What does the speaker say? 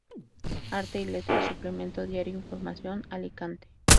Arte y Letras, suplemento diario Información, Alicante.